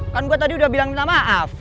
kan gue tadi udah bilang minta maaf